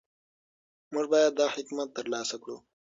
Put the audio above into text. موږ باید دا حکمت ترلاسه کړو.